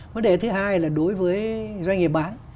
vấn đề thứ hai là đối với doanh nghiệp bán